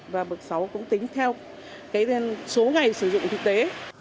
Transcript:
và bậc sáu cũng tính theo số ngày sử dụng thực tế